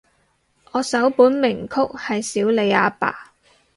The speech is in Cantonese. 我首本名曲係少理阿爸